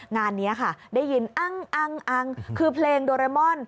งานนี้ค่ะได้ยินอังคือเพลงโดเรมอน